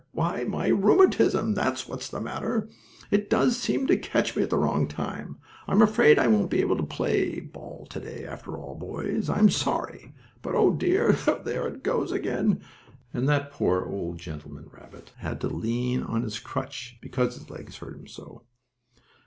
Why my rheumatism; that's what's the matter! It does seem to catch me at the wrong time. I'm afraid I won't be able to play ball to day after all, boys. I'm sorry, but Oh dear! There it goes again!" and that poor, old gentleman rabbit had to lean on his crutch, because his legs hurt him so.